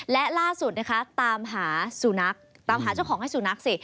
และล่าสุดนะคะตามหาสุนัขตามหาเจ้าของให้สุนัขสิ